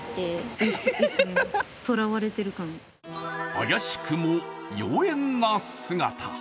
怪しくも妖艶な姿。